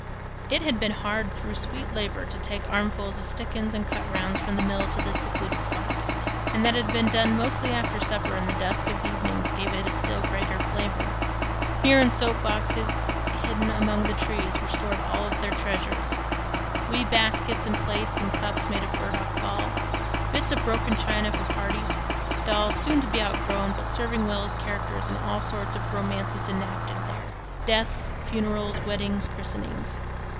It had been hard though sweet labor to take armfuls of "stickins" and "cutrounds" from the mill to this secluded spot, and that it had been done mostly after supper in the dusk of the evenings gave it a still greater flavor. Here in soap boxes hidden among the trees were stored all their treasures: wee baskets and plates and cups made of burdock balls, bits of broken china for parties, dolls, soon to be outgrown, but serving well as characters in all sorts of romances enacted there, deaths, funerals, weddings, christenings.